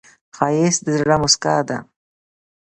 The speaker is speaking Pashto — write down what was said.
ښایست د زړه موسکا ده